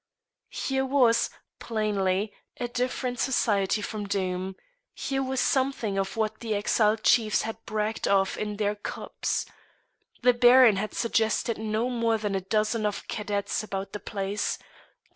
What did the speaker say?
Here was, plainly, a different society from Doom; here was something of what the exiled chiefs had bragged of in their cups. The Baron had suggested no more than a dozen of cadets about the place.